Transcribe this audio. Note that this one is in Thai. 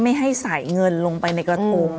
ไม่ให้ใส่เงินลงไปในกระทง